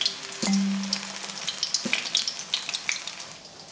うん。